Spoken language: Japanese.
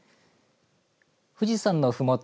富士山のふもと